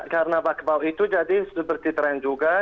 karena bakpao itu jadi seperti tren juga